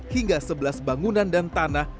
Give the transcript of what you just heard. hingga sebelas bangunan dan tanah